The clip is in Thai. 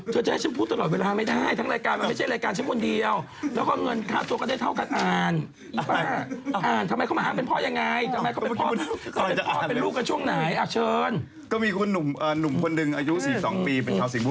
เธอจะให้ฉันพูดตลอดเวลาไม่ได้ทั้งรายการมันไม่ใช่รายการฉันคนเดียว